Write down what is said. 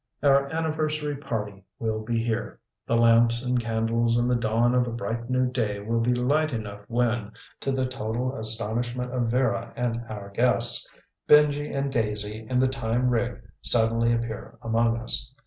Our anniversary party will be here. The lamps and candles and the dawn of a bright new day will be light enough when, to the total astonishment of Vera and our guests, Benji and Daisy and the time rig suddenly appear among us.